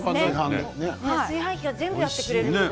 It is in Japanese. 炊飯器が全部やってくれるので。